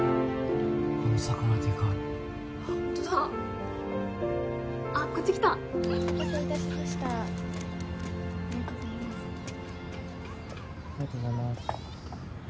この魚デカいあっホントだあっこっち来たお待たせいたしましたありがとうございますありがとうございますご